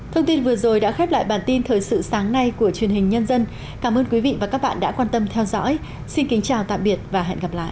thông tin vừa rồi đã khép lại bản tin thời sự sáng nay của truyền hình nhân dân cảm ơn quý vị và các bạn đã quan tâm theo dõi xin kính chào tạm biệt và hẹn gặp lại